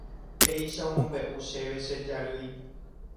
Péicha omombeʼu chéve che jarýi.